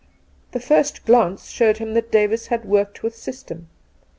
The first glance showed him that Davis had worked with system.